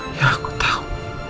ayah aku tahu